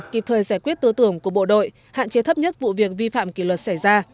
kịp thời giải quyết tứ tưởng của bộ đội hạn chế thấp nhất vụ việc vi phạm kỷ luật xảy ra